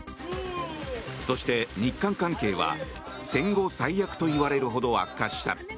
そして、日韓関係は戦後最悪といわれるほど悪化した。